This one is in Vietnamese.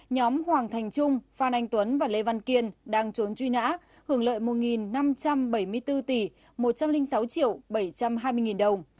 nhóm hoàng thành trung phan anh tuấn và lê văn kiên đang trốn truy nã hưởng lợi một năm trăm bảy mươi bốn tỷ một trăm linh sáu triệu bảy trăm hai mươi nghìn đồng